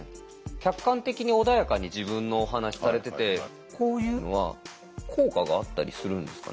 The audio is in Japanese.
客観的に穏やかに自分のお話されててこういうのは効果があったりするんですかね？